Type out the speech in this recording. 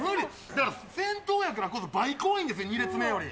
だから先頭やからこそ倍怖いんですよ、２列目より。